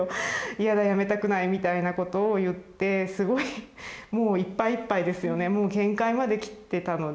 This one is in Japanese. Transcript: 嫌だやめたくないみたいなことを言ってすごいもういっぱいいっぱいですよねもう限界まできてたので。